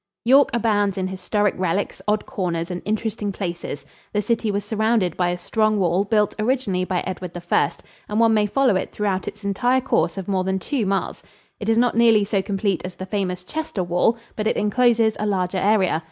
York abounds in historic relics, odd corners and interesting places. The city was surrounded by a strong wall built originally by Edward I, and one may follow it throughout its entire course of more than two miles. It is not nearly so complete as the famous Chester wall, but it encloses a larger area.